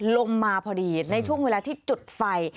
ลงมาพอดีในช่วงเวลาที่จุดไฟ